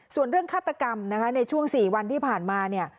ส่วนเรื่องฆาตกรรมนะคะในช่วง๔วันที่ผ่านมาเนี่ย